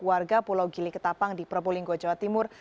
warga pulau gili ketapang di probolinggo jawa timur